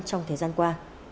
trong thời gian qua